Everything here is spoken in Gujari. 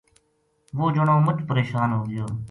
وہ جنو مچ پریشان ہو گیو